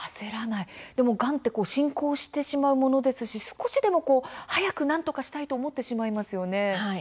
でも、がんは進行してしまうものですし少しでも早くなんとかしたいと思ってしまいますよね。